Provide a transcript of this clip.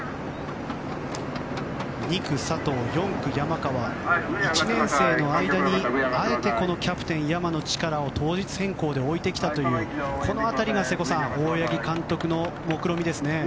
２区、佐藤４区、山川１年生の間にあえてキャプテン山野力を当日変更で置いてきたというこの辺りが瀬古さん大八木監督の目論見ですね。